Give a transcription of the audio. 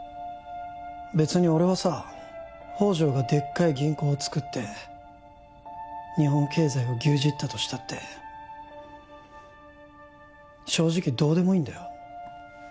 別に俺はさ宝条がでっかい銀行をつくって日本経済を牛耳ったとしたって正直どうでもいいんだよ